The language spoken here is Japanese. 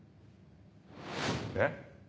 えっ？